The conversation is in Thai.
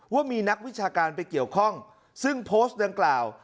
ว่ามีนักวิชาการไปเกี่ยวข้องซึ่งโพสต์ดังกล่าว